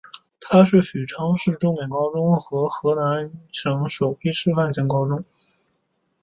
它是许昌市重点高中和河南省首批示范性高中。